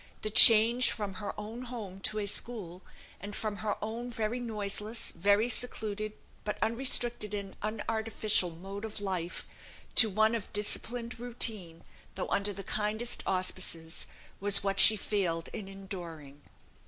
The change from her own home to a school, and from her own very noiseless, very secluded, but unrestricted and unartificial mode of life, to one of disciplined routine (though under the kindest auspices), was what she failed in enduring.